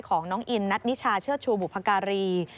ของน้องอินนัทนิชาเชิดชูบุพการี